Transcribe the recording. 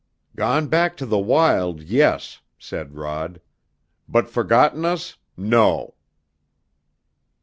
"Gone back to the wild, yes," said Rod; "but forgotten us, no!"